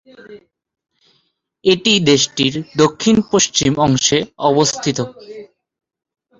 এটি দেশটির দক্ষিণ-পশ্চিম অংশে অবস্থিত।